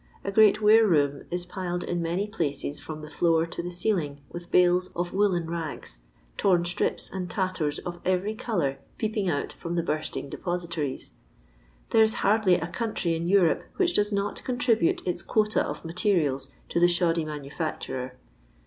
A great ware room is piled in many places from the . floor to the oeiling with bales olF woollen rags, torn strips and tatters of ejwj colour peeping out firom the bursting depositories. There is hardly a country in Europe which does not contribute its quota of material to the shoddy manufacturer.